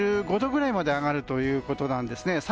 １５度ぐらいまで上がるということなんですね。